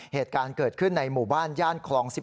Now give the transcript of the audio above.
เหตุการณ์เกิดขึ้นในหมู่บ้านย่านคลอง๑๑